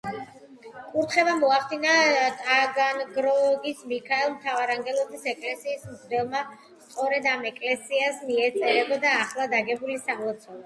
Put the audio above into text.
კურთხევა მოახდინა ტაგანროგის მიქაელ მთავარანგელოზის ეკლესიის მღვდელმა, სწორედ ამ ეკლესიას მიეწერებოდა ახლად აგებული სამლოცველო.